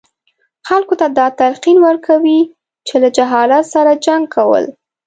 خلکو ته دا تلقین ورکوي چې له جهالت سره جنګ کول.